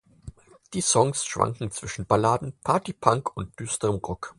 Die Songs schwanken zwischen Balladen, Party-Punk und düsterem Rock.